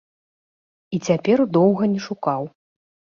І цяпер доўга не шукаў.